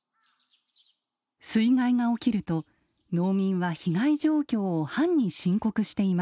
水害が起きると農民は被害状況を藩に申告していました。